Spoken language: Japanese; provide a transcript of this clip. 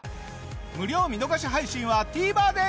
無料見逃し配信はＴＶｅｒで！